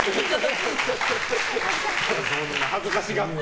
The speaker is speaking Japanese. そんな恥ずかしがって。